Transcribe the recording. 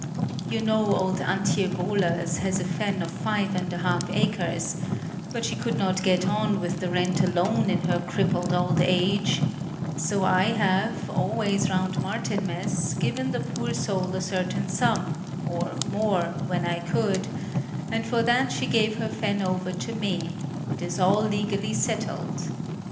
You know old Antje Wohlers has a fen of five and a half acres; but she could not get on with the rent alone in her crippled old age; so I have always round Martinmas given the poor soul a certain sum, or more when I could; and for that she gave her fen over to me; it is all legally settled.